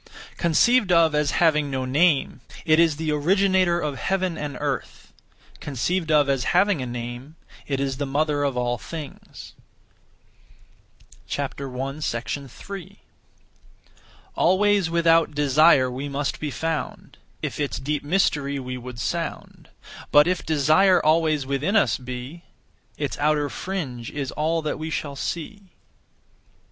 (Conceived of as) having no name, it is the Originator of heaven and earth; (conceived of as) having a name, it is the Mother of all things. 3. Always without desire we must be found, If its deep mystery we would sound; But if desire always within us be, Its outer fringe is all that we shall see.